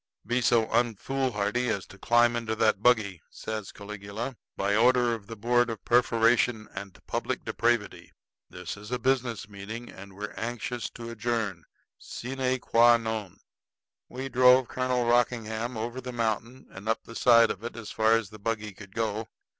"Be so unfoolhardy as to climb into that buggy," says Caligula, "by order of the board of perforation and public depravity. This is a business meeting, and we're anxious to adjourn sine qua non." We drove Colonel Rockingham over the mountain and up the side of it as far as the buggy could go.